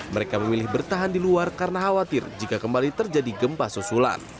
mereka memilih bertahan di luar karena khawatir jika kembali terjadi gempa susulan